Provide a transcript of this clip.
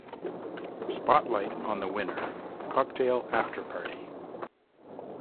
Spotlight on the Winner: Cocktail after-party.